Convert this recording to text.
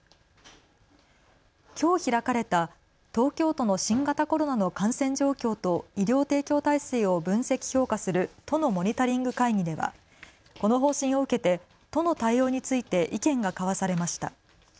きょう開かれた東京都の新型コロナの感染状況と医療提供体制を分析・評価する都のモニタリング会議ではこの方針を受けて都の対応について意見が交わされました。